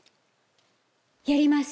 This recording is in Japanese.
やります！